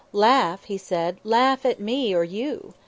"Laugh!" he said. "Laugh at me or you!